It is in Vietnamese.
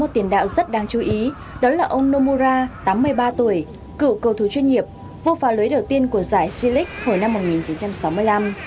một tiền đạo rất đáng chú ý đó là ông nomura tám mươi ba tuổi cựu cầu thủ chuyên nghiệp vô phá lưới đầu tiên của giải silik hồi năm một nghìn chín trăm sáu mươi năm